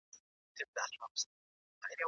ایا تاسي د خپلې سیمې په کلتوري نښو پوهېږئ؟